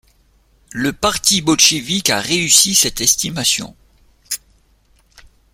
Le parti bolchévik a réussi cette estimation.